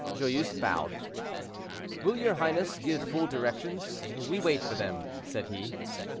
Joyeuse bowed. "Will your highness give full directions? we wait for them," said he.